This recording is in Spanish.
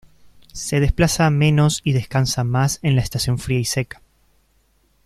Se desplaza menos y descansa más en la estación fría y seca.